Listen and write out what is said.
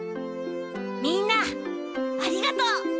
みんなありがとう！